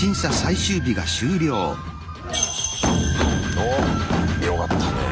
おっよかったね。